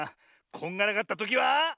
こんがらがったときは。